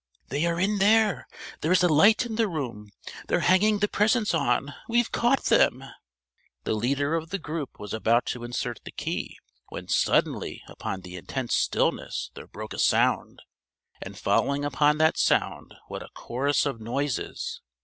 "They are in there! There is a light in the room! They're hanging the presents on! We've caught them!" The leader of the group was about to insert the key when suddenly upon the intense stillness there broke a sound; and following upon that sound what a chorus of noises!